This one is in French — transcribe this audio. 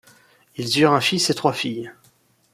Ils eurent un fils et trois filles.